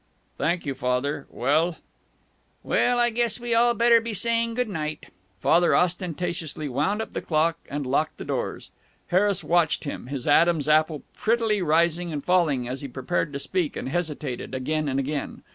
"Thank you, Father. Well " "Well, I guess we all better be saying good night." Father ostentatiously wound up the clock and locked the doors. Harris watched him, his Adam's apple prettily rising and falling as he prepared to speak and hesitated, again and again.